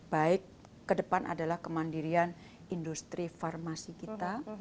baik ke depan adalah kemandirian industri farmasi kita